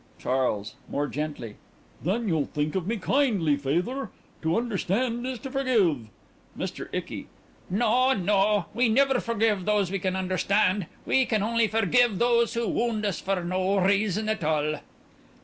CHARLES: (More gently) Then you'll think of me kindly, feyther. To understand is to forgive. MR. ICKY: No...no....We never forgive those we can understand....We can only forgive those who wound us for no reason at all....